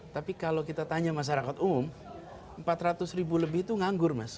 tapi kalau kita tanya masyarakat umum empat ratus ribu lebih itu nganggur mas